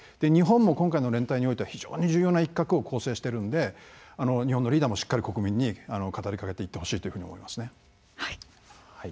日本も今回の連帯においては非常に重要な一角を構成しているので日本のリーダーもしっかり国民に語りかけていってほしいというふうに思いますね。